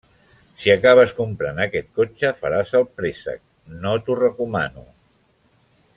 Si acabes comprant aquest cotxe, faràs el préssec. No t'ho recomano.